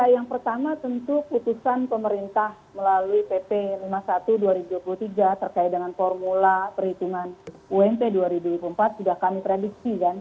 yang pertama tentu putusan pemerintah melalui pp lima puluh satu dua ribu dua puluh tiga terkait dengan formula perhitungan ump dua ribu dua puluh empat sudah kami prediksi kan